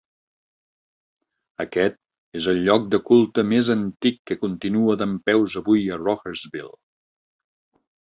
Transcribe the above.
Aquest és el lloc de culte més antic que continua dempeus avui a Rohrersville.